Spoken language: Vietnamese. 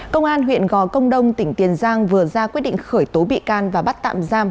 công an huyện gò công đông tỉnh tiền giang vừa ra quyết định khởi tố bị can và bắt tạm giam